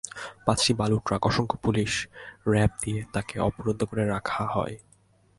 পাঁচটি বালুর ট্রাক, অসংখ্য পুলিশ, র্যাব দিয়ে তাঁকে অবরুদ্ধ করে রাখা হয়।